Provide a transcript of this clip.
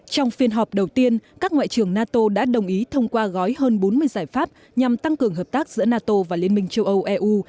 trong phiên họp đầu tiên các ngoại trưởng nato đã đồng ý thông qua gói hơn bốn mươi giải pháp nhằm tăng cường hợp tác giữa nato và liên minh châu âu eu